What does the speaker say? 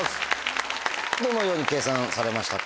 どのように計算されましたか？